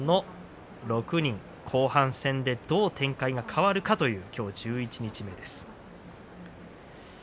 後半戦でどう展開が変わるかという十一日目です。